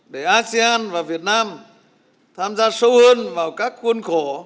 để asean và việt nam tham gia sâu hơn vào các khuôn khổ